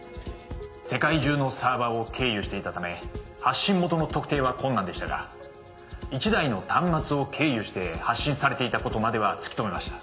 「世界中のサーバーを経由していたため発信元の特定は困難でしたが１台の端末を経由して発信されていた事までは突き止めました」